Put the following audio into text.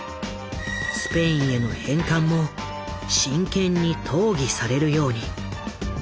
スペインへの返還も真剣に討議されるように。